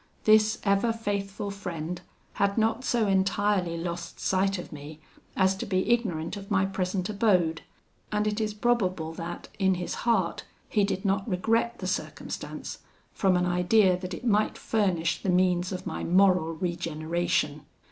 This ever faithful friend had not so entirely lost sight of me as to be ignorant of my present abode, and it is probable that, in his heart, he did not regret the circumstance, from an idea that it might furnish the means of my moral regeneration.